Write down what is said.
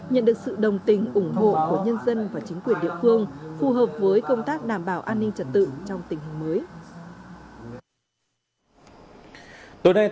nhận được sự đồng tình ủng hộ của nhân dân và chính quyền địa phương phù hợp với công tác đảm bảo an ninh trật tự trong tình hình mới